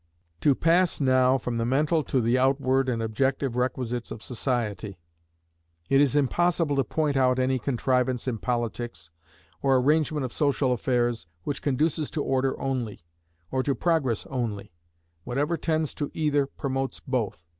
To pass now from the mental to the outward and objective requisites of society: it is impossible to point out any contrivance in politics, or arrangement of social affairs, which conduces to Order only, or to Progress only; whatever tends to either promotes both.